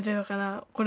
これ